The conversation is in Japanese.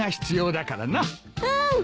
うん！